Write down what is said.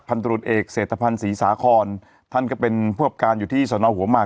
ตรวจเอกเศรษฐภัณฑ์ศรีสาคอนท่านก็เป็นผู้กับการอยู่ที่สนหัวหมาก